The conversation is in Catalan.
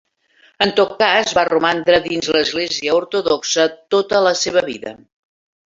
En tot cas va romandre dins l'església ortodoxa tota la seva vida.